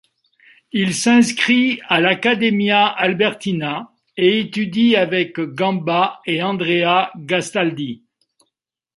Il s'inscrit à l'Accademia Albertina et étudie avec Gamba et Andrea Gastaldi.